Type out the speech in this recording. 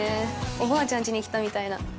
おばあちゃんちに来たみたいな。